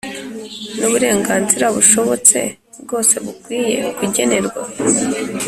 n’uburenganzira bushobotse bwose bukwiye kugenerwa